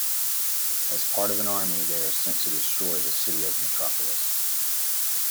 As part of an army, they are sent to destroy the city of Metropolis.